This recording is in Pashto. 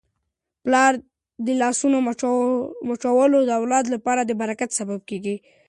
د پلار د لاسونو مچول د اولاد لپاره د برکت سبب کیږي.